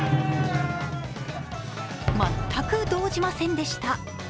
全く動じませんでした。